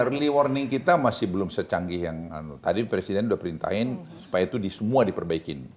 early warning kita masih belum secanggih yang tadi presiden sudah perintahin supaya itu semua diperbaikin